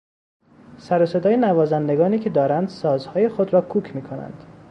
سروصدای نوازندگانی که دارند سازهای خود را کوک میکنند